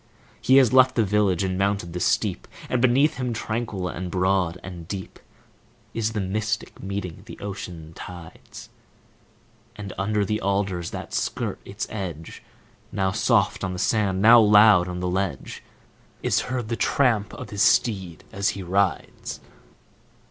He has left the village and mounted the steep, And beneath him, tranquil and broad and deep, Is the Mystic, meeting the ocean tides; And under the alders, that skirt its edge, Now soft on the sand, now loud on the ledge, Is heard the tramp of his steed as he rides.